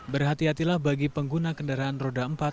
berhati hatilah bagi pengguna kendaraan roda empat